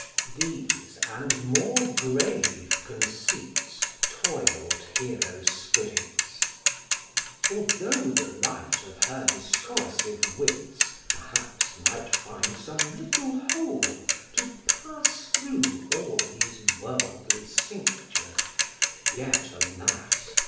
These and more grave conceits toil'd Hero's spirits; For, though the light of her discoursive wits Perhaps might find some little hole to pass Through all these worldly cinctures, yet, alas!